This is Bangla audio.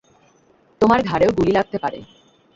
তোমার ঘাড়েও তো গুলি লাগতে পারে।